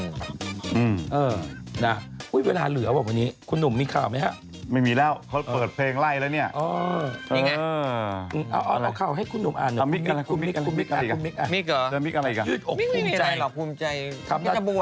เออน่ะหุ้ยเวลาเหลือว่านี้คุณหนุ่มมิกเขาไหมครับ